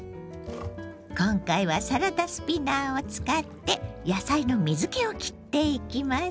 今回はサラダスピナーを使って野菜の水けをきっていきます。